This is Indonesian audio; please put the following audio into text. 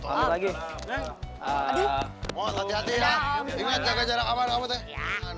ada kesempatan lagi